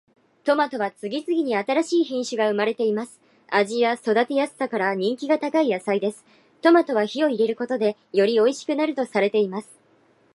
トマトは次々に新しい品種が生まれています。味や育てやすさから人気が高い野菜です。トマトは火を入れることでよりおいしくなるとされています。